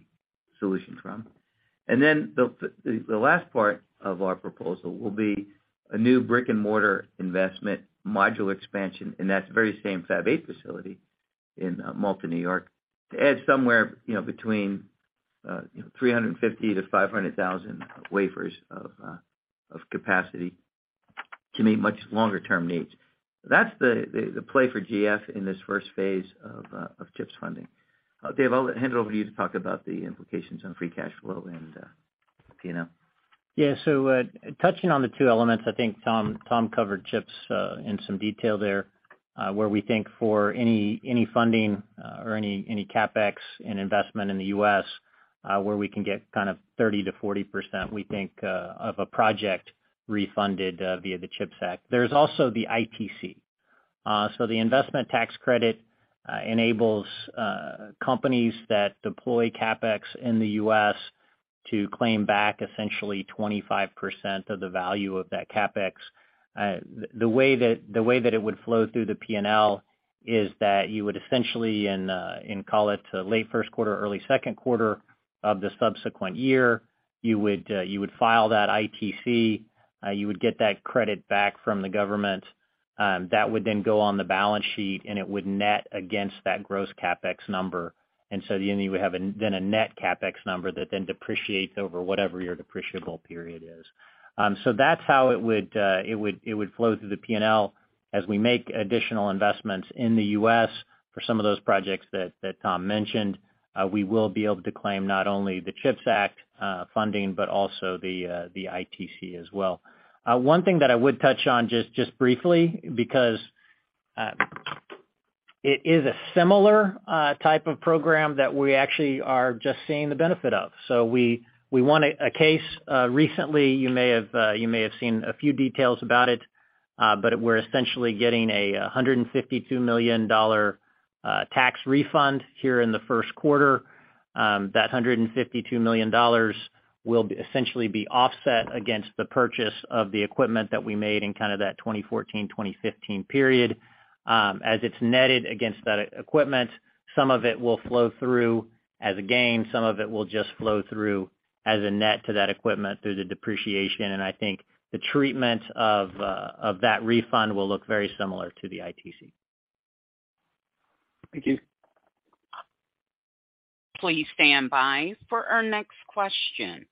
solutioned from. The last part of our proposal will be a new brick-and-mortar investment module expansion, and that's the very same Fab 8 facility in Malta, New York, to add somewhere, you know, between, you know, 350,000-500,000 wafers of capacity to meet much longer-term needs. That's the play for GF in this first phase of CHIPS funding. Dave, I'll hand it over to you to talk about the implications on free cash flow and P&L. Touching on the two elements, I think Tom covered CHIPS in some detail there, where we think for any funding, or any CapEx and investment in the U.S., where we can get kind of 30%-40%, we think, of a project refunded via the CHIPS Act. There's also the ITC. So the investment tax credit enables companies that deploy CapEx in the U.S. to claim back essentially 25% of the value of that CapEx. the way that it would flow through the P&L is that you would essentially in call it late first quarter, early second quarter of the subsequent year, you would file that ITC, you would get that credit back from the government, that would then go on the balance sheet, and it would net against that gross CapEx number. You would have a net CapEx number that then depreciates over whatever your depreciable period is. That's how it would, it would flow through the P&L as we make additional investments in the U.S. for some of those projects that Tom mentioned. We will be able to claim not only the CHIPS Act funding, but also the ITC as well. One thing that I would touch on just briefly, because it is a similar type of program that we actually are just seeing the benefit of. We won a case recently. You may have seen a few details about it, but we're essentially getting a $152 million tax refund here in the first quarter. That $152 million will essentially be offset against the purchase of the equipment that we made in kind of that 2014, 2015 period. As it's netted against that equipment, some of it will flow through as a gain, some of it will just flow through as a net to that equipment through the depreciation. I think the treatment of that refund will look very similar to the ITC. Thank you. Please stand by for our next question.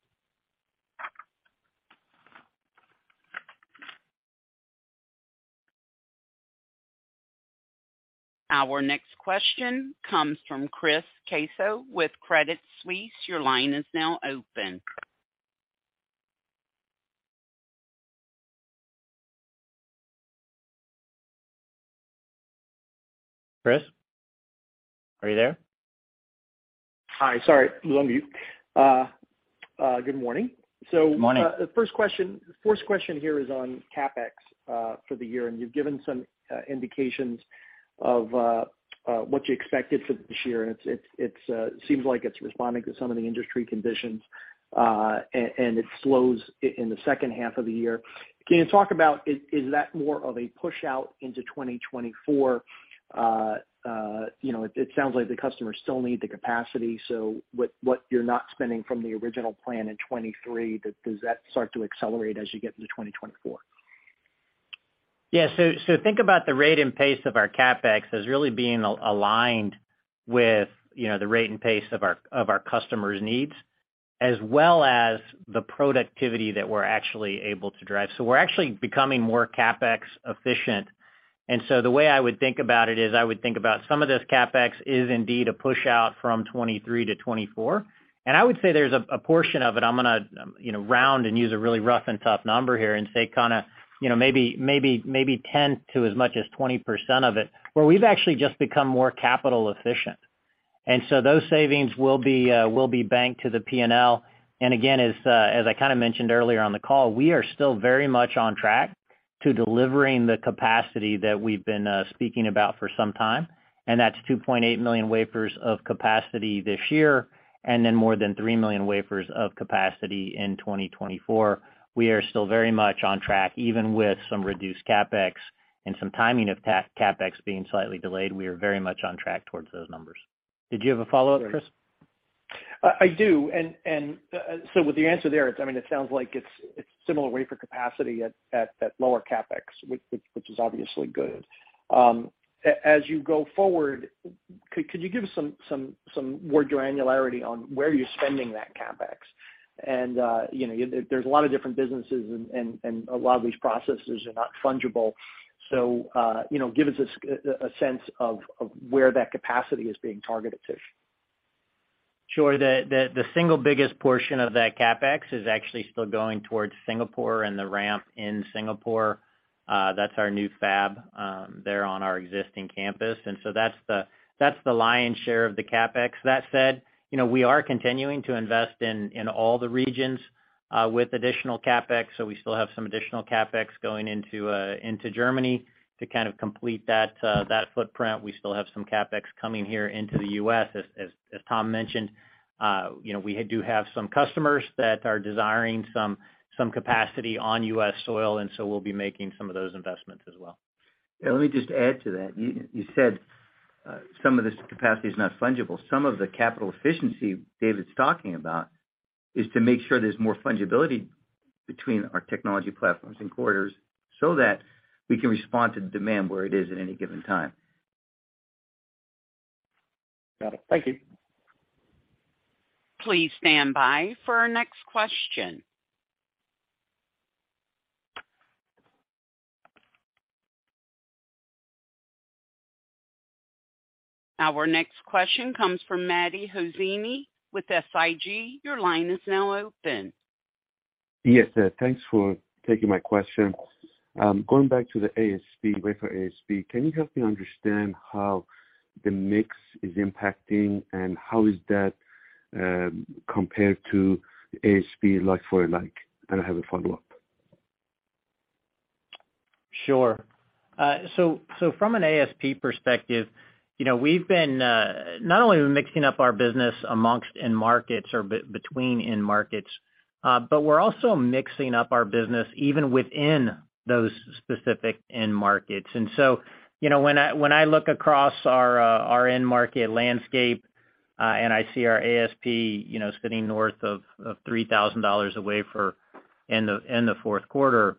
Our next question comes from Chris Caso with Credit Suisse. Your line is now open. Chris, are you there? Hi. Sorry. I was on mute. Good morning. Good morning. The first question here is on CapEx for the year, and you've given some indications of what you expect it for this year, and it seems like it's responding to some of the industry conditions, and it slows in the second half of the year. Can you talk about is that more of a push out into 2024? You know, it sounds like the customers still need the capacity, what you're not spending from the original plan in 2023, does that start to accelerate as you get into 2024? Think about the rate and pace of our CapEx as really being aligned with, you know, the rate and pace of our customers' needs, as well as the productivity that we're actually able to drive. We're actually becoming more CapEx efficient. The way I would think about it is, I would think about some of this CapEx is indeed a push-out from 2023 to 2024. I would say there's a portion of it, I'm gonna, you know, round and use a really rough and tough number here and say kinda, you know, maybe 10%-20% of it, where we've actually just become more capital efficient. Those savings will be banked to the P&L. Again, as I kind of mentioned earlier on the call, we are still very much on track to delivering the capacity that we've been speaking about for some time, that's 2.8 million wafers of capacity this year, more than 3 million wafers of capacity in 2024. We are still very much on track, even with some reduced CapEx and some timing of CapEx being slightly delayed, we are very much on track towards those numbers. Did you have a follow-up, Chris? I do. With the answer there, I mean, it sounds like it's similar wafer capacity at lower CapEx, which is obviously good. As you go forward, could you give us some more granularity on where you're spending that CapEx? You know, there's a lot of different businesses and a lot of these processes are not fungible. You know, give us a sense of where that capacity is being targeted to. Sure. The single biggest portion of that CapEx is actually still going towards Singapore and the ramp in Singapore. That's our new fab there on our existing campus. That's the lion's share of the CapEx. That said, you know, we are continuing to invest in all the regions with additional CapEx, so we still have some additional CapEx going into Germany to kind of complete that footprint. We still have some CapEx coming here into the U.S. As Tom mentioned, you know, we do have some customers that are desiring some capacity on U.S. soil, we'll be making some of those investments as well. Yeah, let me just add to that. You said, some of this capacity is not fungible. Some of the capital efficiency David's talking about is to make sure there's more fungibility between our technology platforms and corridors so that we can respond to demand where it is at any given time. Got it. Thank you. Please stand by for our next question. Our next question comes from Mehdi Hosseini with SIG. Your line is now open. Yes. Thanks for taking my question. Going back to the ASP, wafer ASP, can you help me understand how the mix is impacting and how is that, compared to ASP like-for-like? I have a follow-up. Sure. So from an ASP perspective, you know, we've been, not only are we mixing up our business amongst end markets between end markets, but we're also mixing up our business even within those specific end markets. You know, when I, when I look across our end market landscape, and I see our ASP, you know, sitting north of $3,000 a wafer in the fourth quarter,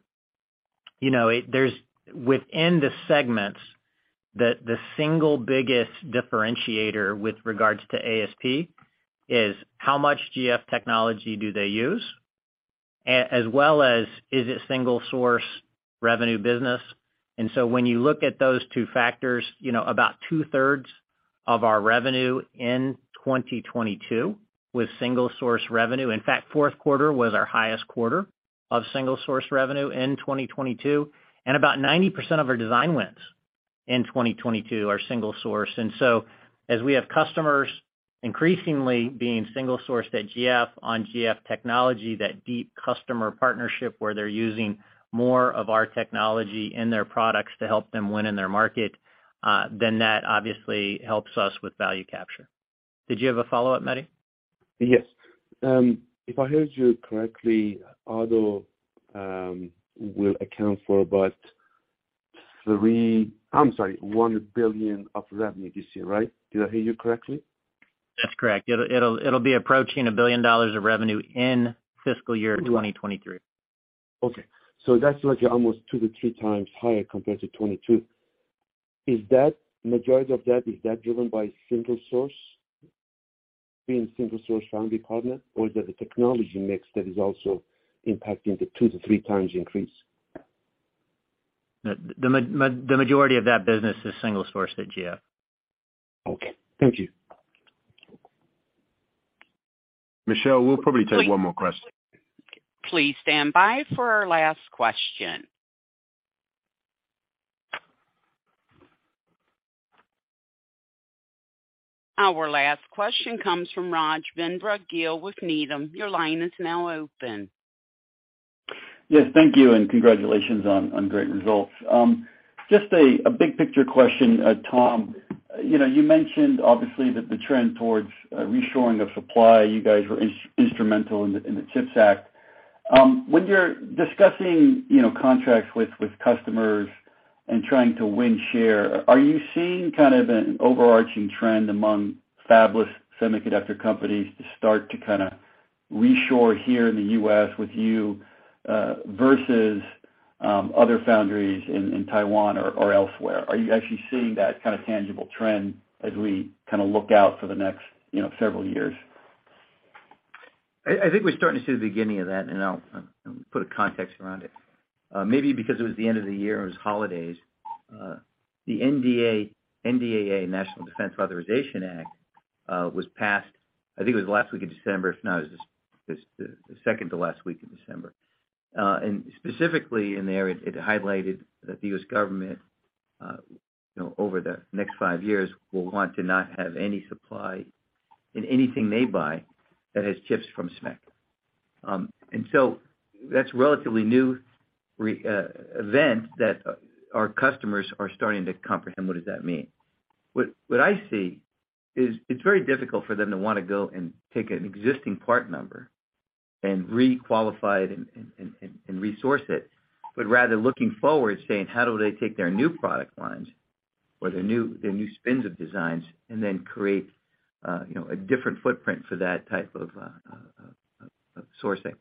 you know, there's within the segments, the single biggest differentiator with regards to ASP is how much GF technology do they use, as well as is it single source revenue business. When you look at those two factors, you know, about 2/3 of our revenue in 2022 was single source revenue. In fact, fourth quarter was our highest quarter of single source revenue in 2022. About 90% of our design wins in 2022 are single source. As we have customers increasingly being single source at GF on GF technology, that deep customer partnership where they're using more of our technology in their products to help them win in their market, then that obviously helps us with value capture. Did you have a follow-up, Mehdi? Yes. If I heard you correctly, Auto, will account for about $1 billion of revenue this year, right? Did I hear you correctly? That's correct. It'll be approaching $1 billion of revenue in fiscal year 2023. Okay. That's like almost 2-3 times higher compared to 2022. Is that majority of that driven by single source, being single source foundry partner, or is it the technology mix that is also impacting the -3 times increase? The majority of that business is single source at GF. Okay. Thank you. Michelle, we'll probably take one more question. Please stand by for our last question. Our last question comes from Rajvindra Gill with Needham. Your line is now open. Yes. Thank you. Congratulations on great results. Just a big picture question, Tom. You know, you mentioned obviously that the trend towards reshoring of supply, you guys were instrumental in the CHIPS Act. When you're discussing, you know, contracts with customers and trying to win share, are you seeing kind of an overarching trend among fabless semiconductor companies to start to reshore here in the U.S. with you versus other foundries in Taiwan or elsewhere. Are you actually seeing that kind of tangible trend as we kinda look out for the next, you know, several years? I think we're starting to see the beginning of that, and I'll put a context around it. Maybe because it was the end of the year, it was holidays, the NDAA, National Defense Authorization Act, was passed, I think it was last week of December. If not, it was the second to last week of December. Specifically in there, it highlighted that the U.S. government, you know, over the next five years will want to not have any supply in anything they buy that has chips from SMIC. That's relatively new event that our customers are starting to comprehend what does that mean. What I see is it's very difficult for them to wanna go and take an existing part number and re-qualify it and resource it, but rather looking forward saying, how do they take their new product lines or their new spins of designs and then create, you know, a different footprint for that type of sourcing.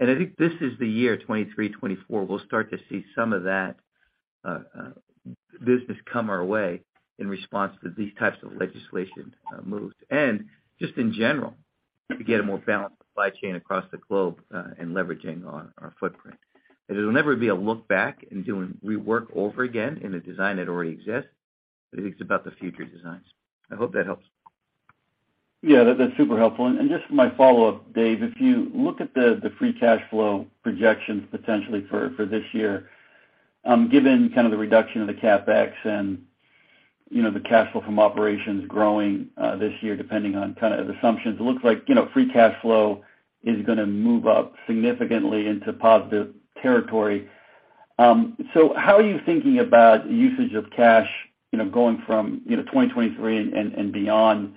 I think this is the year, 2023, 2024, we'll start to see some of that business come our way in response to these types of legislation moves. Just in general, to get a more balanced supply chain across the globe, in leveraging our footprint. It'll never be a look back and doing rework over again in a design that already exists, but I think it's about the future designs. I hope that helps. Yeah, that's super helpful. Just my follow-up, Dave, if you look at the free cash flow projections potentially for this year, given kind of the reduction of the CapEx and, you know, the cash flow from operations growing this year, depending on kind of assumptions, it looks like, you know, free cash flow is gonna move up significantly into positive territory. How are you thinking about usage of cash, you know, going from, you know, 2023 and beyond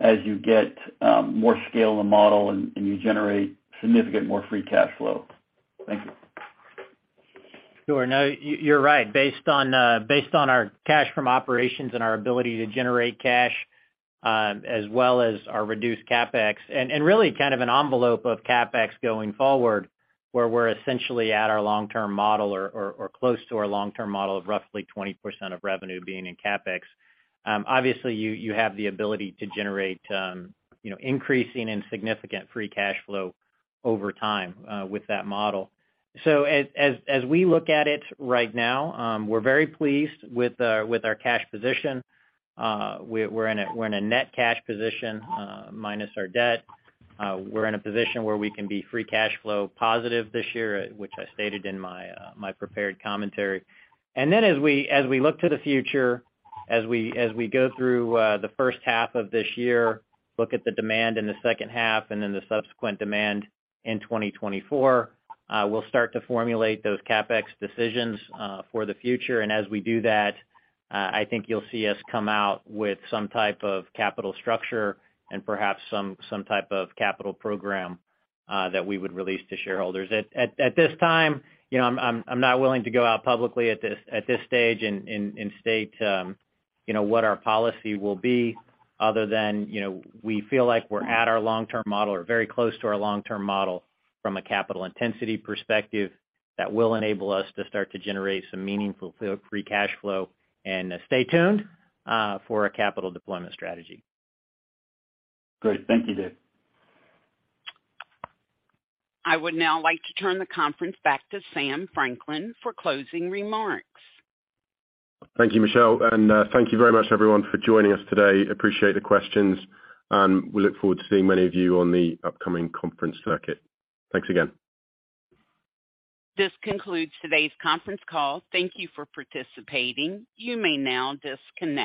as you get more scale in the model and you generate significant more free cash flow? Thank you. Sure. No, you're right. Based on our cash from operations and our ability to generate cash, as well as our reduced CapEx, and really kind of an envelope of CapEx going forward, where we're essentially at our long-term model or close to our long-term model of roughly 20% of revenue being in CapEx. Obviously, you have the ability to generate, you know, increasing and significant free cash flow over time, with that model. As we look at it right now, we're very pleased with our cash position. We're in a net cash position, minus our debt. We're in a position where we can be free cash flow positive this year, which I stated in my prepared commentary. As we look to the future, as we go through the first half of this year, look at the demand in the second half and then the subsequent demand in 2024, we'll start to formulate those CapEx decisions for the future. As we do that, I think you'll see us come out with some type of capital structure and perhaps some type of capital program that we would release to shareholders. At this time, you know, I'm not willing to go out publicly at this stage and state, you know, what our policy will be other than, you know, we feel like we're at our long-term model or very close to our long-term model from a capital intensity perspective that will enable us to start to generate some meaningful flow, free cash flow, and stay tuned for a capital deployment strategy. Great. Thank you, Dave. I would now like to turn the conference back to Sam Franklin for closing remarks. Thank you, Michelle. Thank you very much everyone for joining us today. Appreciate the questions, and we look forward to seeing many of you on the upcoming conference circuit. Thanks again. This concludes today's conference call. Thank you for participating. You may now disconnect.